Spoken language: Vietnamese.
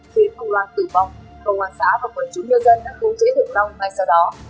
khi ông loan tử vong công an xã và quân chủ nhân dân đã cố chế được long ngay sau đó